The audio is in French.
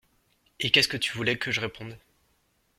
Et qu’est-ce que tu voulais que je réponde ?